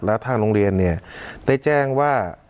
แล้วทางลงเรียนได้แจ้งว่า